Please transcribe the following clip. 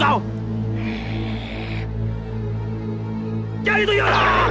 hai jadi tuh ya